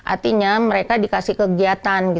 artinya mereka dikasih kegiatan